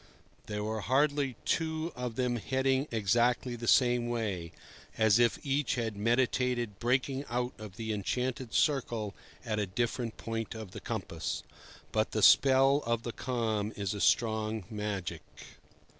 There were hardly two of them heading exactly the same way, as if each had meditated breaking out of the enchanted circle at a different point of the compass. But the spell of the calm is a strong magic.